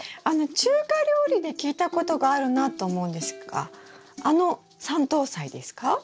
あの中華料理で聞いたことがあるなと思うんですがあのサントウサイですか？